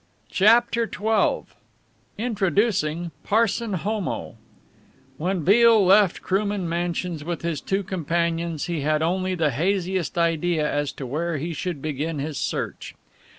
CHAPTER XII INTRODUCING PARSON HOMO When Beale left Krooman Mansions with his two companions he had only the haziest idea as to where he should begin his search.